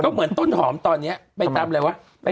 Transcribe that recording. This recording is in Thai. เหมือนต้นหอมตอนนี้ไปตามอะไรวะ